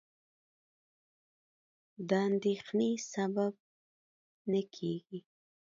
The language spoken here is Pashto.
د اندېښنې سبب نه کېږي.